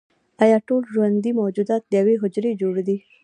ایا ټول ژوندي موجودات له یوې حجرې جوړ دي